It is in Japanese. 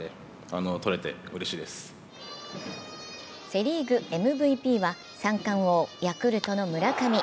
セ・リーグＭＶＰは三冠王、ヤクルトの村上。